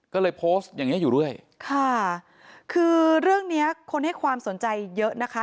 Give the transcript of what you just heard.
ก็เลยโพสต์อย่างเงี้อยู่เรื่อยค่ะคือเรื่องเนี้ยคนให้ความสนใจเยอะนะคะ